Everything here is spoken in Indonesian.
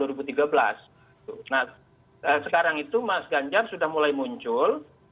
nah sekarang itu mas ganjar sudah mulai muncul